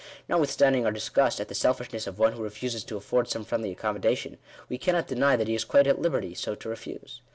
Notwith standing our disgust at the selfishness of one who refuses to afford some friendly accommodation, we cannot deny that he is quite at liberty so to refuse.